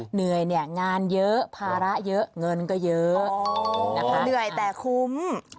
เหนื่อยงานเยอะพาระเยอะเงินเยอะ